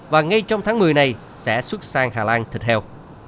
và ngay trong tháng một mươi này sẽ xuất sang hà lan thịt heo